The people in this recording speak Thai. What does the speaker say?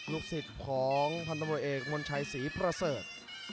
ลูกศิษย์ของพันธบริเอกมนชัยศรีประเสริฐ